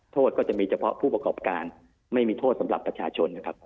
โทษก็จะมีเฉพาะผู้ประกอบการไม่มีโทษสำหรับประชาชนนะครับ